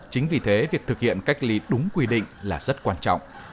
chính vì thế việc thực hiện cách ly đúng quy định là rất quan trọng